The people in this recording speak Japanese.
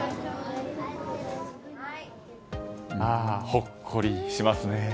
ほっこりしますね。